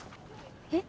え。